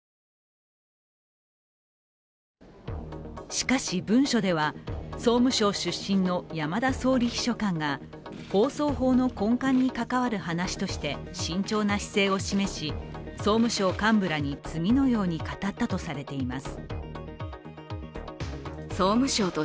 しかし、文書では総務省出身の山田総理秘書官が放送法の根幹に関わる話として慎重な姿勢を示し、総務省幹部らに次のように語ったとされています。